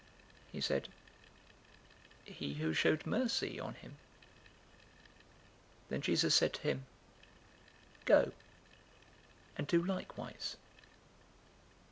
010:037 He said, "He who showed mercy on him." Then Jesus said to him, "Go and do likewise."